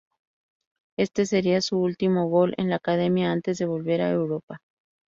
Este sería su último gol en "La Academia" antes de volver a Europa.